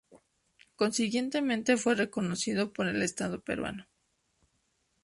Consiguientemente fue reconocido por el Estado Peruano.